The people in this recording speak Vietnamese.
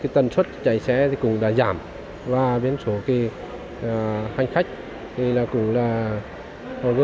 tần suất chạy xe cũng đã giảm và biến số hành khách cũng giảm rất nhiều